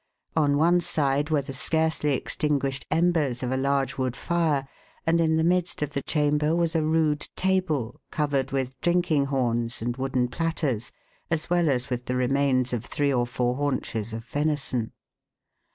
On one side were the scarcely extinguished embers of a large wood fire; and in the midst of the chamber was a rude table, covered with drinking horns and wooden platters, as well as with the remains of three or four haunches of venison.